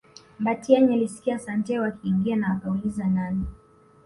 Mbatiany alisikia Santeu akiingia na akauliza nani